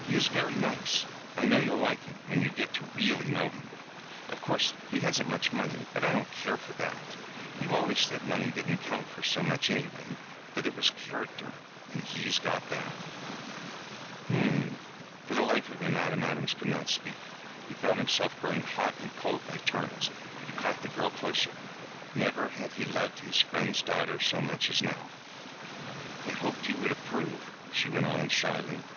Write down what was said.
"He is very nice I know you'll like him when you get to really know him. Of course he hasn't much money, but I don't care for that. You always said money didn't count for so much anyway that it was character and he's got that." "Hum!" For the life of him Adam Adams could not speak. He felt himself growing hot and cold by turns. He caught the girl closer. Never had he loved his friend's daughter so much as now. "I hoped you would approve," she went on, shyly.